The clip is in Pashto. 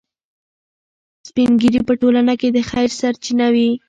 سپین ږیري په ټولنه کې د خیر سرچینه وي.